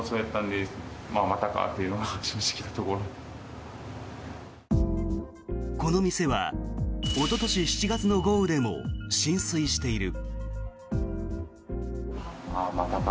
この店はおととし７月の豪雨でも浸水している。